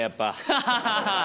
ハハハハ！